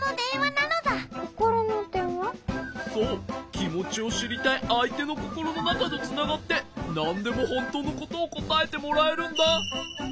きもちをしりたいあいてのココロのなかとつながってなんでもほんとうのことをこたえてもらえるんだ。